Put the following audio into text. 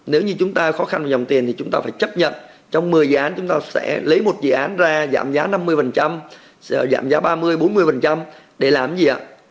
nếu như chúng ta khó khăn về dòng tiền thì chúng ta phải chấp nhận trong một mươi dự án chúng ta sẽ lấy một dự án ra giảm giá năm mươi sẽ giảm giá ba mươi bốn mươi để làm gì ạ